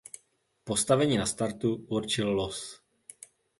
Postavení na startu určil los.